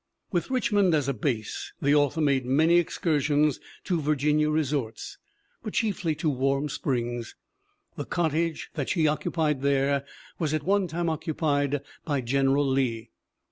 With Richmond as a base the author made many excursions to Virginia resorts, but chiefly to Warm Springs. The cottage that she occupied there was at one time occupied by General Lee.